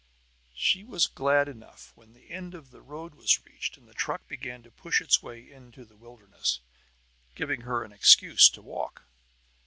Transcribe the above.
She was glad enough when the end of the road was reached and the truck began to push its way into the wilderness, giving her an excuse to walk.